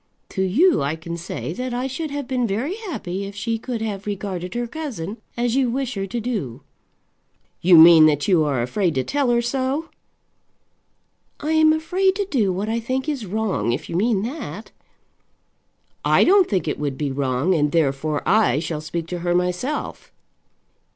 To you I can say that I should have been very happy if she could have regarded her cousin as you wish her to do." "You mean that you are afraid to tell her so?" "I am afraid to do what I think is wrong, if you mean that." "I don't think it would be wrong, and therefore I shall speak to her myself."